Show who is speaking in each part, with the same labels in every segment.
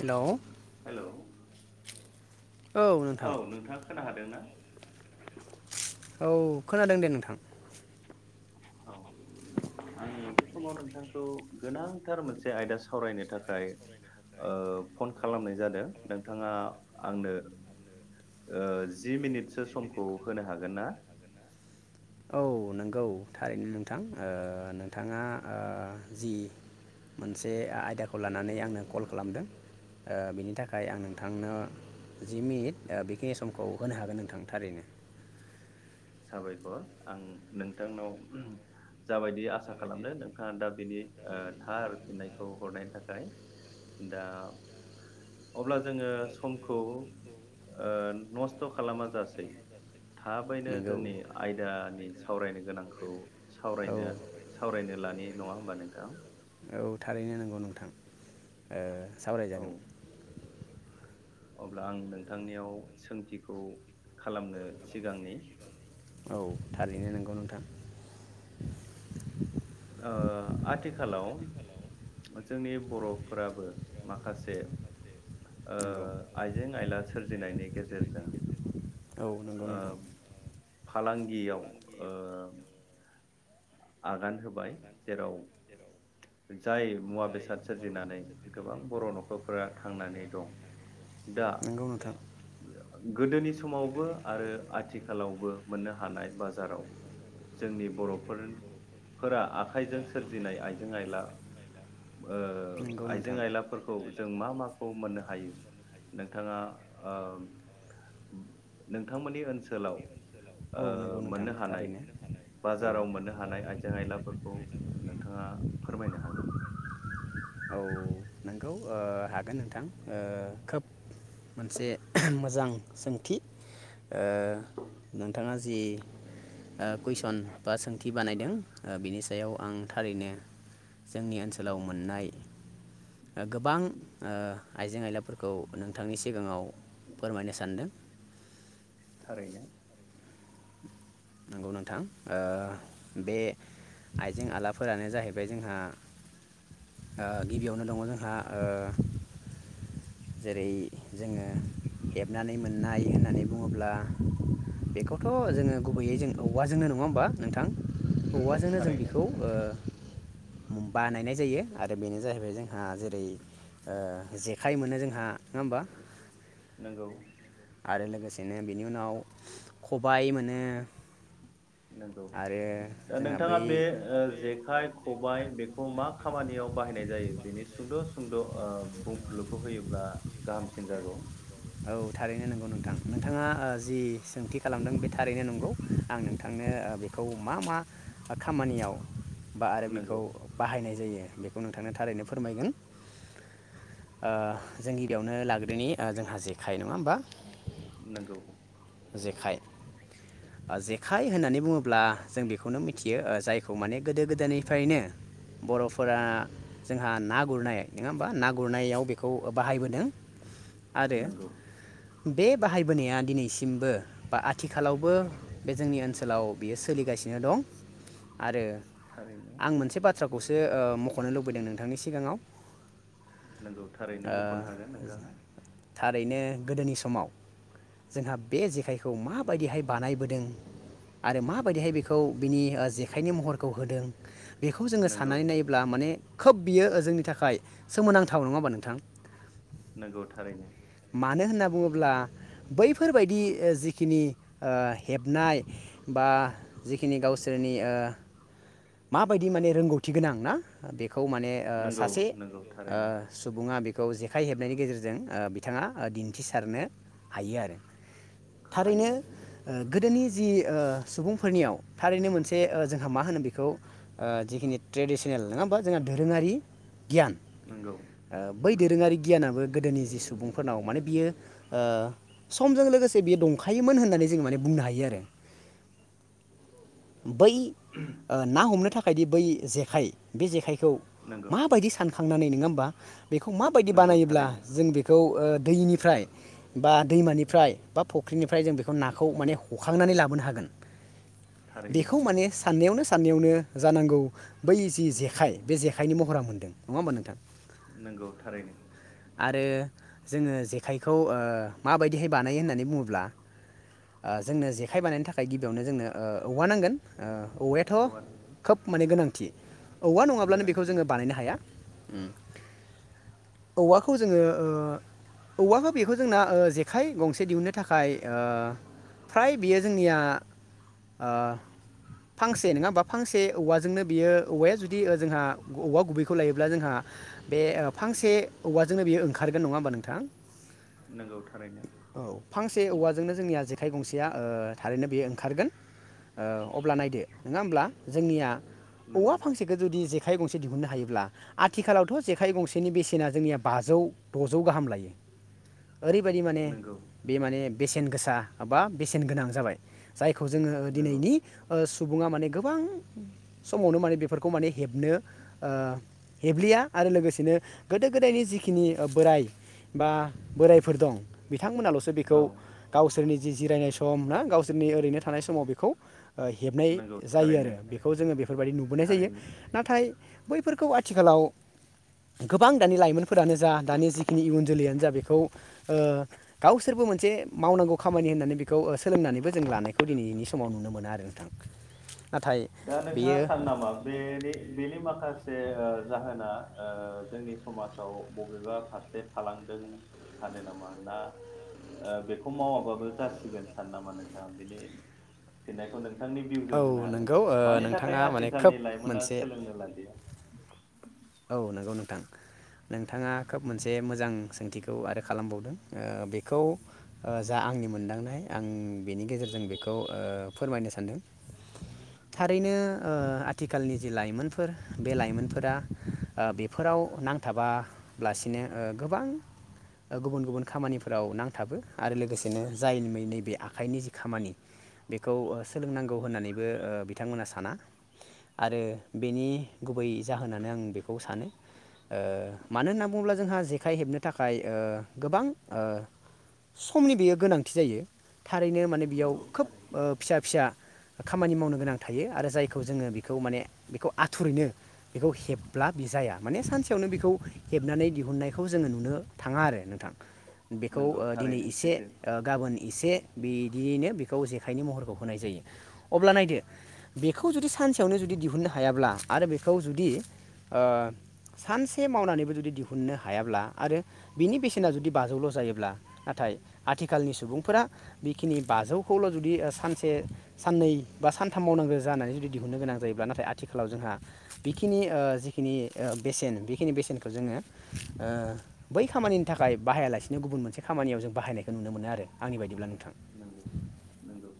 Speaker 1: हेल'।
Speaker 2: Hello औ नोंथाङा खोना हादोंना?
Speaker 1: औ खोनादों दे नोंथां।
Speaker 2: औ आङो बे समाव नोंथांखौ गोनांथार मोनसे आयदा सावरायनो थाखाय ओ फन खालामनाय जादों नोंथाङा आंनो ओ जि मिनिटसो समखौ होनो हागोन ना?
Speaker 1: औ नंगौ थारैनो नोंथां ओ नोंथाङा ओ जि मोनसे आयदाखौ लानानै आंनो कल खालामदों ओ बिनि थाखाय आं नोंथांनो जि मिनिट ओ बेखिनि समखौ होनो हागोन नोंथां थारैनो।
Speaker 2: साबायखर आं नोंथांनाव ओहोम जाबाय दि आसा खालामदो नोंथाङा दा बिनि ओ थार फिननायखौ हरनायनि थाखाय दा अब्ला जोङो समखौ ओ नस्थ' खालामा जासै थाबैनो
Speaker 1: नंगौ
Speaker 2: जोंनि आयदा सावरायनो गोनांखौ
Speaker 1: औ
Speaker 2: सावरायनो सावरायनो लानि नङा होमबा नोंथां।
Speaker 1: औ थारैनो नंगौ नोंथां ओ। सावराय
Speaker 2: औ
Speaker 1: जागोन।
Speaker 2: अब्ला आं नोंथांनियाव सोंथिखौ खालामनो सिगांनि।
Speaker 1: औ थारैनो नोंगौ नोंथां।
Speaker 2: ओ आथिखालाव जोंनि बर'फोराबो माखासे ओ
Speaker 1: नंगौ
Speaker 2: आइजें आयला सोरजिनायनि गेजेरजों
Speaker 1: औ नोंगौ
Speaker 2: ओ
Speaker 1: नोंथां।
Speaker 2: फालांगियाव ओ आगान होबाय जेराव जाय मुवा बेसाद सोरजिनानै गोबां बर' न'खरफोरा थांनानै दं दा
Speaker 1: नंगौ नोंथां
Speaker 2: गोदोनि समावबो आरो आथिखालावबो मोननो हानाय बाजाराव जोंनि बर'फोर फोरा आखाइजों सोरजिनाय आइजें आइला ओ
Speaker 1: नंगौ
Speaker 2: आइजें
Speaker 1: नोंथां
Speaker 2: आयलाफोरखौ जों मा माखौ मोननो हायो नोंथाङा ओ नोंथांमोननि ओनसोलाव
Speaker 1: औ
Speaker 2: ओ
Speaker 1: नोंगौ नोंथां
Speaker 2: मोननो हानाय
Speaker 1: थारैनो औ।
Speaker 2: बाजाराव मोननो हानाय आइजें आयलाफोरखौ नोंथाङा फोरमायनो हागोन।
Speaker 1: औ नोंगौ ओ हागोन नोंथां ओ खोब मोनसे मोजां सोंथि। ओ नोंथाङा जि ओ कुइसन बा सोंथि बानायदों बेनि सा याव आं थारैनो जोंनि ओनसोलाव मोननाय गोबां ओ आइजें आयलाफोरखौ नोंथांनि सिगाङाव फोरमायनो सानदों।
Speaker 2: थारैनो।
Speaker 1: गौ नोंथां ओ बे आइजें आइलाफोरानो जाहैबाय जोंहा ओ गिबियावनो दङ जोंहा ओ जेरै जोङो हेबनानै मोननाय होननानै बुङोब्ला बेखौथ' जोङो गुबैयै जों औवाजोंनो नङा होमबा नोंथां
Speaker 2: नंगौ
Speaker 1: औवाजोंनो जों
Speaker 2: थारैनो
Speaker 1: बेखौ
Speaker 2: नोंथां
Speaker 1: ओ बानायनाय जायो आरो बेनो जाहैबाय जोंहा जेरै ओ जेखाइ मोनो जों हा नङा होमबा।
Speaker 2: नोंगौ।
Speaker 1: आरो लोगोसेनो बि नि उनाव खबाइ मोनो।
Speaker 2: नोंगौ
Speaker 1: आरो
Speaker 2: दा
Speaker 1: जोंहा
Speaker 2: नोंथाङा बे
Speaker 1: बै
Speaker 2: ओ जेखाय, खबाय बेखौ मा खामानियाव बाहायनाय जायो बेनि सुंद' सुंद' ओ बुंफ्लुखौ होयोब्ला गाहामसिन जागौ।
Speaker 1: औ थारैनो नोंगौ नोंथां नोंथाङा ओ जि सोंथि खालामदों बे थारैनो नोंगौ आं नोंथांनो बेखौ मा मा खामानियाव बा आरो बेखौ
Speaker 2: नंगौ
Speaker 1: बाहायनाय जायो बेखौ नोंथांनो थारैनो फोरमायगोन ओ जों गिबियावनो लाग्रोनि जोंहा जे खाय नङा होमबा
Speaker 2: नोंगौ।
Speaker 1: जेखाय। जेखाइ होननानै बुङोब्ला जों बेखौनो मिथियो जायखौ माने गोदो गोदायनिफ्रायनो बर'फोरा जोंहा ना गुरनाय नङा होमबा ना गुरनायाव बेखौ बाहायबोदों। आरो
Speaker 2: नंगौ
Speaker 1: बे बाहायबोनाया दिनैसिमबो बा आथिखालावबो बे जोंनि ओनसोलाव बियो सोलिगासिनो दं आरो
Speaker 2: थारैनो
Speaker 1: आं मोनसे बाथ्रा खौसो ओ मख'नो लुबैदों नोंथांनि सिगाङाव
Speaker 2: नोंगौ थारैनो
Speaker 1: ओ
Speaker 2: मख'नो हागोन नोंथाङा
Speaker 1: थारैनो गोदोनि समाव जोंहा बे जेखायखौ माबायदिहाय बानायबो दों आरो माबायदिहाय बेखौ बिनि जेखाइनि महरखौ होदों बेखौ जोङो
Speaker 2: नंगौ
Speaker 1: साननानै नायोब्ला माने खोब बियो जोंनि थाखाय सोमोनांथाव नङा होनबा नोंथां?
Speaker 2: नोंगौ थारैनो
Speaker 1: मानो होनना बुङोब्ला बैफोरबायदि जिखिनि ओ हेबनाय बा जिखिनि गावसोरनि ओ माबायदि माने रोंगौथि गोनां ना बे खौ माने ओ
Speaker 2: नंगौ
Speaker 1: सासे
Speaker 2: नंगौ थारैनो
Speaker 1: ओ सुबुङा बे खौ जेखाय हेबनायनि गेजेरजों ओ बिथाङा दिन्थिसारनो हायो आरो थारैनो
Speaker 2: हायो नंगौ
Speaker 1: ओ गोदोनि जि ओ सुबुंफोरनियाव थारैनो ओ मोनसे जोंहा मा होनो बेखौ ओ जिखिनि ट्रेडिसनेल नङा होमबा जोंहा दधोरोङारि गियान
Speaker 2: नंगौ
Speaker 1: ओ बै
Speaker 2: नंगौ
Speaker 1: दोरोङारि गियानाबो गोदोनि जि सुबुंफोरनाव माने बियो ओ समजों लोगोसे बियो दंखायोमोन होननानै जोंङ माने बुंनो हायो आरो। बै ओ आं हमनो थाखायदि बै जेखाय बे जेखाय खौ
Speaker 2: नंगौ
Speaker 1: माबायदि सान खांनानै नोङा होमबा? बेखौ माबायदि
Speaker 2: नंगौ
Speaker 1: बानायोब्ला
Speaker 2: थारैनो
Speaker 1: जों बेखौ ओ दैनिफ्राय बा दैमानिफ्राय बा फुख्रिनिफ्राय जों बेखौ नाखौ माने हखांनानै लाबोनो हागोन
Speaker 2: थारैनो
Speaker 1: बेखौ माने साननायावनो साननाययावनो जानांगौ बै जि जेखाइ बे जेखाइनि महरा मोनदों नङा होमबा नोंथां?
Speaker 2: नंगौ थारैनो
Speaker 1: आरो जोङो जेखाइखौ ओ माबायदिहाय बानायो होननानै बुङोब्ला ओ जोंनो जेखाइ बानायनो थाखाय गिबियावनो जोंनो औवा नांगोन। ओ थ'
Speaker 2: औवा नांगौ
Speaker 1: खोब माने गोनां थि। औवा नङाब्लानो बेखौ
Speaker 2: गोनांथि
Speaker 1: जोङो बानायनो हाया। औवाखौ जोङो ओ औवाखौ बेखौ जोंना जेखाइ गंसे दिहुननो थाखाय ओ फ्राय बेयो जोंनिया ओ फांसे ए नङा होमबा फांसे औवाजोंनो बियो औवाया जुदि जोंहा औवा गुबैखौ लायोब्ला जोंहा बे फांसे औवाजोंनो बियो ओंखारगोन नङा होमबा नोंथां
Speaker 2: नंगौ थारैनो
Speaker 1: औ फांसे औवाजोंनो जोंनिया ज आखाइ गंसेया ओ थारैनो बेयो ओंखारगोन ओ अब्ला नाय नङा होमब्ला जोंनिया औवा
Speaker 2: नंगौ
Speaker 1: फांसेखौ जुदि जेखाइ गंसे दिहुननो हायोब्ला आथिखालावथ' जेखाइ गंसेनि बेसेना जोंनिया बाजौ द'जौ गाहाम लायो। ओरैबायदि माने
Speaker 2: नंगौ
Speaker 1: बे माने बेसेन गोसा बा बेसेन गोनां जाबाय। जायखौ जोङो
Speaker 2: नंगौ
Speaker 1: दिनैनि ओ सुबुङा माने गोबां समावनो माने बेफोरखौ माने हेबनो ओ हेब्लिया आरो लोगोसेनो गोदो गोदायनि जिखिनि बोराइ बा बोरायफोर दं बि बिथांमोनाल'सो
Speaker 2: औ
Speaker 1: बेखौ गाव गावसोरनि जि जिरायनाय सम ना गावसोरनि ओरैनो थानाय समाव बेखौ हेबनाय
Speaker 2: नंगौ
Speaker 1: जायो
Speaker 2: थारैनो
Speaker 1: आरो बेखौ जोङो बेफोरबायदि नुबोनाय जायो
Speaker 2: थारैनो
Speaker 1: नाथाय बैफोरखौ आथिखालाव गोबां दानि लाइमोनफोरानो जा दानि जिखिनि इयुन जोलैयानो जा बेखौ ओ गावसोरबो मोनसे मावनांगौ खामानि होननानै बेखौ सोलोंनानैबो जों लानायखौ दिनैनि समाव नुनो मोनो आरो नोंथां नाथाय
Speaker 2: दा नोंथाङा
Speaker 1: बेयो
Speaker 2: सानो नामा बेनि बेनि माखासे ओ जाहोना ओ जोंनि समाजाव बबेबा फारसे थालांदों सानो नामा ना ओ बेखौ मावाबाबो जासिगोन सानो नामा नोंथाङा बिनि फिननायखौ नों नोंथांनि
Speaker 1: औ
Speaker 2: भिउजों होनो हागोन
Speaker 1: नोंगौ ओ
Speaker 2: मानि थाखाय
Speaker 1: नोंथाङा माने खोब
Speaker 2: आथिखालनि लाइमोना
Speaker 1: मोनसे
Speaker 2: सोलोंनो लादिया [inaudible]
Speaker 1: औ नंगौ नोंथां नोंथाङा खोब मोनसे मोजां सोंथिखौ आरो खालामबावदों बेखौ जा आंनि मोनदांनाय आं बेनि गेजेरजों बेखौ ओ फोरमायनो सानदों थारैनो ओ आथिखालनि जि लाइमोनफोर बे लाइमोनफोरा ओ बेफोराव नांथाबालासिनो ओ गोबां गुबुन गुबुन खामानिफोराव नांथाबो आरो लोगोसेनो जायै नैबे आखाइनि जि खामानि बेखौ सोलोंनांगौ होननानैबो बिथांमोना साना आरो बेनि गुबै जाहोनानो आं बेखौ सानो ओ मानो होनना बुङोब्ला जोंहा जेखाइ हेबनो थाखाय गोबां ओ समनि बेयो गोनांथि जायो। थारैनो माने बेयाव
Speaker 2: नंगौ
Speaker 1: खोब
Speaker 2: थारैनो
Speaker 1: ओ फिसा फिसा खामानि मावनो गोनां थायो आरो जायखौ जोङो बेखौ माने बेखौ आथुरैनो बेखौ हेब ब्ला बि जाया माने सानसेयावनो बिखौ हेबनानै दिहुननायखौ जोङो नुनो थाङा आरो नोंथां बेखौ
Speaker 2: नंगौ
Speaker 1: ओ दिनै
Speaker 2: थारैनो
Speaker 1: एसे
Speaker 2: सैथो
Speaker 1: ओ गाबोन एसे बिदियैनो बेखौ जेखाइनि महरखौ होनाय जायो अब्ला नायदो बेखौ जुदि सानसेयावनो जुदि दिहु दिहुननो हायाब्ला आरो बेखौ जुदि ओ सानसे मावनानैबो जुदि दिहुननो हायाब्ला आरो बिनि बेसेना
Speaker 2: नंगौ
Speaker 1: जुदि बाजौल' जायोब्ला नाथाय आथिखालनि सुबुंफोरा बेखिनि बाजौखौल' जुदि सानसे साननै बा सानथाम मावनांगौ जानानै जुदि दिहुननो गोनां जायोब्ला नाथाय आथिखालाव जोंहा बेखिनि ओ जि बिनि ओ बेसेन बेखिनि बेसेनखौ जोङो ओ बै खामानिनि थाखाय बाहायालासिनो गुबुन मोनसे खामानियाव जों बाहायनायखौ नुनो मोनो आरो आंनि बायदिब्ला नोंथां
Speaker 2: नंगौ नोंगौ।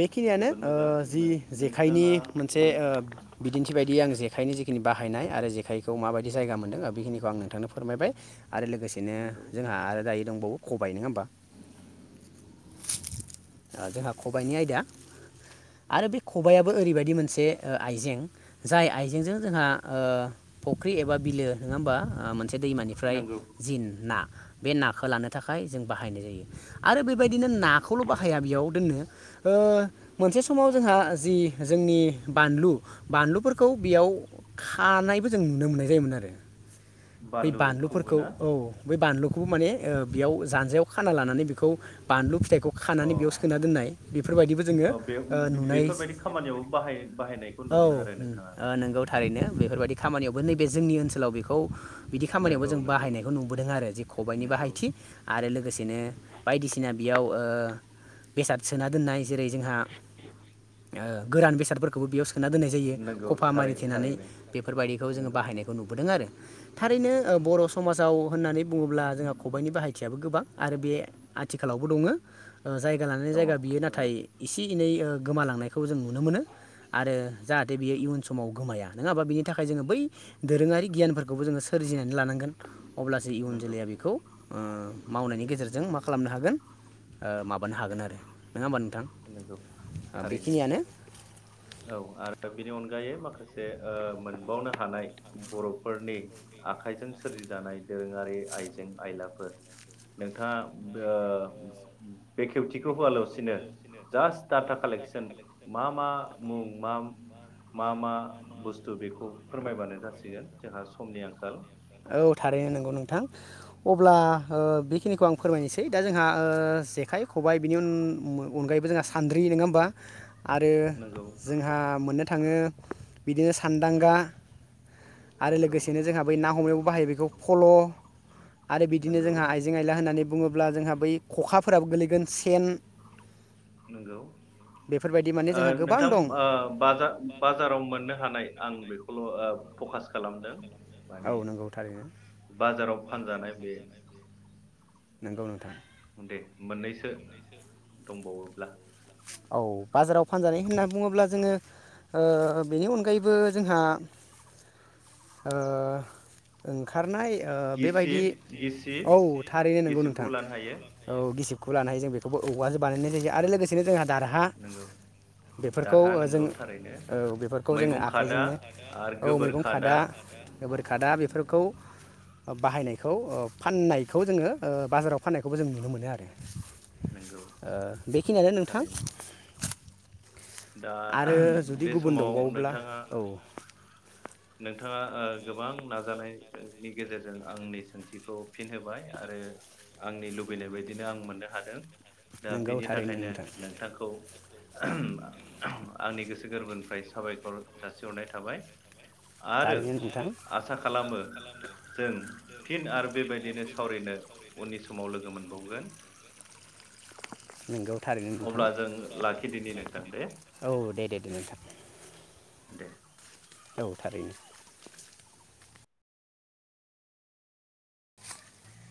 Speaker 1: बेखिनियानो
Speaker 2: जोबोद
Speaker 1: ओ
Speaker 2: मोजां
Speaker 1: जि
Speaker 2: नों
Speaker 1: जेखाइनि
Speaker 2: नोंथाङा
Speaker 1: मोनसे ओ बिदिन्थि बायदि आं जे खाइनि जिखिनि बाहायनाय आरो जेखाइखौ माबायदि जायगा मोन्दों ओ बेखिनिखौ आं नोंथांनो फोरमायबाय। आरो लोगोसेनो
Speaker 2: नंगौ
Speaker 1: जोंहा आरो दायो दंबावो खबाय नङा होमबा? ओ जोंहा खबायाइनि आयदा आरो बे खबायाबो ओरैबायदि मोनसे ओ आइजें जाय आइजेंजों जोंहा ओ फुख्रि एबा बिलो नङा होमबा। ओ मोनसे दैमानिफ्राय
Speaker 2: नंगौ
Speaker 1: जिन ना। बे नाखौ लानो थाखाय जों बाहायनाय जायो आरो बेबायदिनो नाखौल' बाहाया बेयाव दोननो। ओ मोनसे समाव जोंहा जि जोंनि बानलु बानलुफोरखौ बेयाव खानायबो जों नुनो मोननाय जायोमोन आरो। बै
Speaker 2: बानलुखौबो
Speaker 1: बानलुफोरखौ
Speaker 2: ना
Speaker 1: औ बै बानलु खौबो माने ओ बेयाव जानजियाव खाना लानानै बेखौ बानलु फिथाइ खौ
Speaker 2: अ
Speaker 1: खानानै बेयाव सोना दोननाय बेफोरबायदिबो जोङो
Speaker 2: औ बे
Speaker 1: ओ
Speaker 2: बे-
Speaker 1: नुनाय
Speaker 2: बेफोरबायदि खामानियाव बाहाय बाहायनायखौ
Speaker 1: औ
Speaker 2: नुबोदों
Speaker 1: उ
Speaker 2: आरो नोंथाङा
Speaker 1: ओ नोंगौ थारैनो बेफोरबायदि खामानियावबो नैबे जोंनि ओनसोलाव बेखौ बिदि खामानियावबो
Speaker 2: नंगौ
Speaker 1: जों
Speaker 2: नंगौ
Speaker 1: बाहायनायखौ नुबोदों आरो जे खबाइनि
Speaker 2: नंगौ
Speaker 1: बाहायथि आरो लोगोसेनो बायदिसिना बेयाव ओ बेसाद सोना दोननाय जेरै जोंहा ओ गोरान बेसादफोरखौबो बेयाव सोना दोननाय जायो
Speaker 2: नंगौ
Speaker 1: खफा
Speaker 2: थारै
Speaker 1: मारिथेनानै
Speaker 2: थारैनो
Speaker 1: बेफोरबायदिखौ जोङो
Speaker 2: नंगौ
Speaker 1: बाहायनायखौ नुबोदों आरो थारैनो ओ बर' समाजाव होननानै बुङोब्ला जोंहा खबाइनि बाहायथियाबो गोबां आरो बे आथिखालाव बो दङो। ओ जायगानानै लानाय
Speaker 2: दङ
Speaker 1: जायगा बियो नाथाय
Speaker 2: नंगौ
Speaker 1: इसे इनै ओ गोमालांनायखौ जों नुनो मोनो आरो जाहाथे बियो इयुन समाव गोमाया नङा हाबा बिनि थाखाय जोङो बै दोरोङारि गियानफोरखौबो जोङो सोरजिनो लानांगोन अब्लासो इयुन
Speaker 2: नंगौ
Speaker 1: जोलैया बेखौ ओ मावनायनि गेजेरजों मा खालामनो हागोन ओ माबानो हागोन आरो। नङा होमबा नोंथां
Speaker 2: नंगौ थारैनो
Speaker 1: बेखिनियानो
Speaker 2: औ आरो बेनि अनगायै माखासे जे ओ मोनबावनो हानाय बर'फोरनि आखाइजों सोरजिजानाय दोरोङारि आइजें आयलाफोर नोंथाङा ओ बेखेवथिखौ होवालासिनो जास्ट डाटा कालेकसन मा मा? मुं मा मा मा बुस्थु बेखौ फोरमायबानो जासिगोन जोंहा समनि आंखाल।
Speaker 1: औ थारैनो नोंगौ नोंथां अब्ला ओ बेखिनिखौ आं फोरमायनोसै दा जोंहा ओ जेखाइ खबाइ बिनि उन अगायैबो जोंहा सान्द्रि नङा होमबा? आरो
Speaker 2: नंगौ
Speaker 1: जोंहा मोननो थाङो। बिदिनो सान्दांगा आरो
Speaker 2: नंगौ
Speaker 1: लोगोसेनो जोंहा बै ना मोनायावबो बाहायो बेखौ फल आरो बिदिनो
Speaker 2: नंगौ
Speaker 1: जोंहा आइजें आइला होननानै बुंङोब्ला अब्ला जोंहा बै खखाफोराबो गोलैगोन सेन
Speaker 2: [unintelligible] नंगौ
Speaker 1: बेफोरबायदि माने जोंहा गोबां
Speaker 2: नोंथां
Speaker 1: दं
Speaker 2: बाजार बाजाराव मोननो हानाय आं बेखौल फकास खालामदों
Speaker 1: औ
Speaker 2: माने
Speaker 1: नंगौ थारैनो
Speaker 2: बाजाराव फानजानाय बे
Speaker 1: नोंगौ नोंथां
Speaker 2: दे मोननैसो दंबावोब्ला
Speaker 1: औ बाजाराव फानजानाय होनना बुङोब्लाब जोंङो ओ बेनि अनगायैबो जोंहा ओ ओंखारनाय बेबायदि
Speaker 2: गिसिब गिसिब
Speaker 1: औ थारैनो नंगौ नोंथां
Speaker 2: गिसिबखौबो लानो हायो
Speaker 1: औ गिसि खौ लानो हायो जों बेखौबो औबवहासो बानायनाय जायो आरो लोगोसेनो जोंहा दारहा
Speaker 2: नंगौ
Speaker 1: बेफोरखौ
Speaker 2: दारहा
Speaker 1: जों
Speaker 2: नंगौ थारैनो
Speaker 1: औ बेफोरखौ जोंङो
Speaker 2: मैगं खादा
Speaker 1: आखाइजोंनो
Speaker 2: आरो
Speaker 1: औ
Speaker 2: गोबोर
Speaker 1: मैगं खादा गोबोर खादा बेफोरखौ बाहायनायखौ फाननायखौ जोंङो बाजाराव फाननायखौबो जों नुनो मोनो आरो
Speaker 2: नंगौ
Speaker 1: बेखिनियानो नों थां
Speaker 2: थारैनो दा
Speaker 1: आरो जुदि
Speaker 2: बे
Speaker 1: गुबुन
Speaker 2: समाव
Speaker 1: दंबावोब्ला
Speaker 2: नोंथाङा
Speaker 1: औ
Speaker 2: नोंथाङा गोबां नाजानायनि गेजेरजों आंनि सोंथिखौ फिनहोबाय आरो आंनि लुबैनाय बायदिनो आं मोननो हादों दा
Speaker 1: नोंगौ
Speaker 2: बेनि
Speaker 1: थारैनो
Speaker 2: थाखायनो
Speaker 1: नोंथां
Speaker 2: नोंथांखौ आंनि गोसो गोरबोनिफ्राय साबायखर जासिहरनाय थाबाय आरो
Speaker 1: थारैनो नोंथां
Speaker 2: आसा खालामो जों फिन आरो बेबायदिनो सावरायनो उननि समाव लोगो मोन बावगोन
Speaker 1: नोंगौ थारैनो नोंथां
Speaker 2: अब्ला जों लाखिदिनि नोंथां दे
Speaker 1: औ दे दे दे नोंथां
Speaker 2: दे
Speaker 1: औ थारैनो [inaudible]